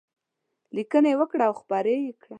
لیکنې وکړه او خپرې یې کړه.